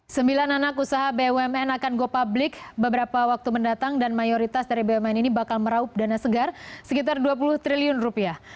sembilan anak usaha bumn akan go public beberapa waktu mendatang dan mayoritas dari bumn ini bakal meraup dana segar sekitar dua puluh triliun rupiah